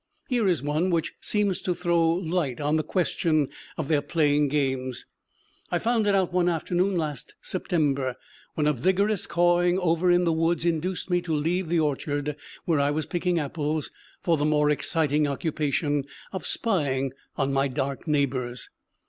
Here is one which seems to throw light on the question of their playing games. I found it out one afternoon last September, when a vigorous cawing over in the woods induced me to leave the orchard, where I was picking apples, for the more exciting occupation of spying on my dark neighbors.